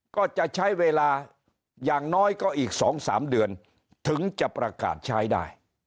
ก็จะใช้เวลาอย่างน้อยก็อีก๒๓เดือนถึงจะประกาศใช้ได้